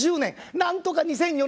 なんとか２００４年。